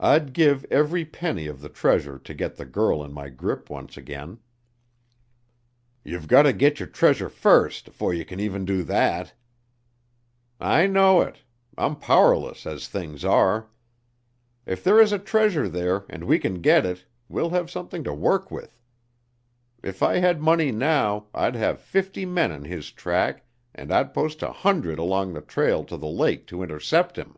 "I'd give every penny of the treasure to get the girl in my grip once again." "Ye've gotter git yer treasure fust afore ye can even do thet." "I know it. I'm powerless as things are. If there is a treasure there and we can get it, we'll have something to work with. If I had the money now, I'd have fifty men on his track, and I'd post a hundred along the trail to the lake to intercept him."